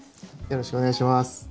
よろしくお願いします。